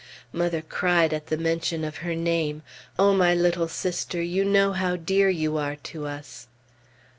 Mother cried at the mention of her name. O my little sister! You know how dear you are to us!